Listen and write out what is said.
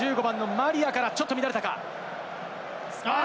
１５番のマリアからちょっと乱れたか。